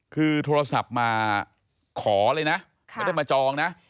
คือโทรศัพท์มาขอเลยนะไม่ได้มาจองนะ